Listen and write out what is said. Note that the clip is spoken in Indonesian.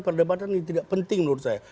perdebatan ini tidak penting menurut saya